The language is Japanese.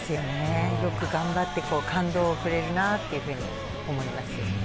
よく頑張って、感動をくれるなって思います。